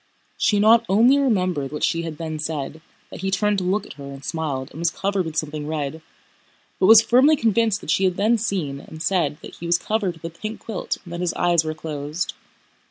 She not only remembered what she had then said—that he turned to look at her and smiled and was covered with something red—but was firmly convinced that she had then seen and said that he was covered with a pink quilt and that his eyes were closed.